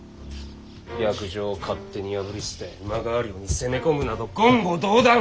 約定を勝手に破り捨て今川領に攻め込むなど言語道断！